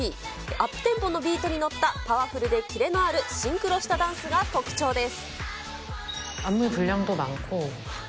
アップテンポのビートに乗ったパワフルでキレのあるシンクロしたダンスが特徴です。